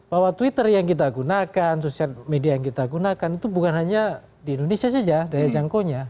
bahwa twitter yang kita gunakan sosial media yang kita gunakan itu bukan hanya di indonesia saja daya jangkaunya